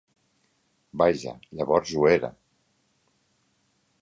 Vaja, llavors ho era?